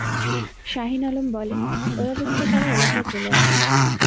শাহীন আলম বলেন, ওই অবস্থায় তাঁরা এলাকায় চলে আসেন।